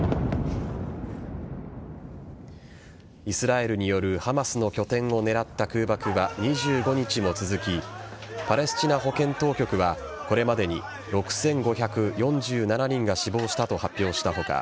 イスラエルによるハマスの拠点を狙った空爆は２５日も続きパレスチナ保健当局はこれまでに６５４７人が死亡したと発表した他